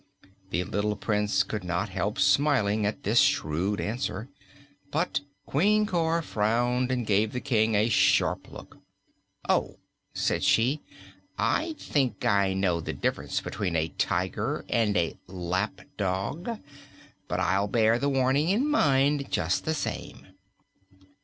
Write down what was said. The little Prince could not help smiling at this shrewd answer, but Queen Cor frowned and gave the King a sharp look. "Oh," said she; "I think I know the difference between a tiger and a lapdog. But I'll bear the warning in mind, just the same."